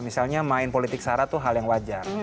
misalnya main politik sara itu hal yang wajar